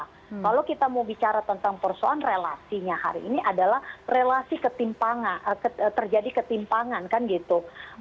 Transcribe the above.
kalau kita mau bicara tentang persoalan relasinya hari ini adalah relasi terjadi ketimpangan kan gitu